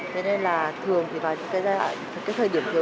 thế nên là thường thì vào những cái giai đoạn cái thời điểm thiếu